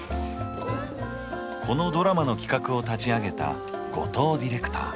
このドラマの企画を立ち上げた後藤ディレクター。